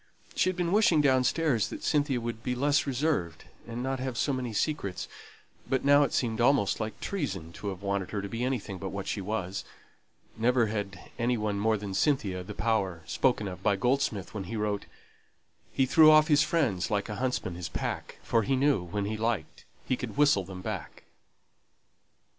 She had been wishing downstairs that Cynthia would be less reserved, and not have so many secrets; but now it seemed almost like treason to have wanted her to be anything but what she was. Never had any one more than Cynthia the power spoken of by Goldsmith when he wrote He threw off his friends like a huntsman his pack, For he knew when he liked he could whistle them back.